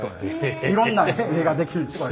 いろんな絵ができるんですね